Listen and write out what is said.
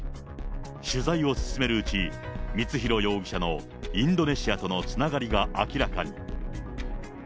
取材を進めるうち、光弘容疑者のインドネシアとのつながりが明らかに。